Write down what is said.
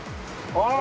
ああ！